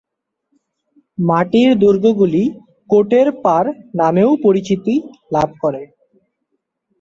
মাটির দুর্গগুলি ‘কোটের পাড়’ নামেও পরিচিতি লাভ করে।